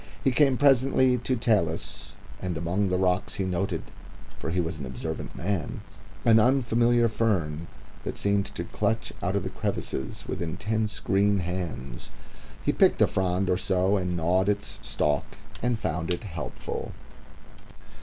He came presently to talus, and among the rocks he noted for he was an observant man an unfamiliar fern that seemed to clutch out of the crevices with intense green hands. He picked a frond or so and gnawed its stalk and found it helpful.